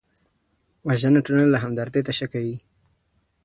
وژنه ټولنه له همدردۍ تشه کوي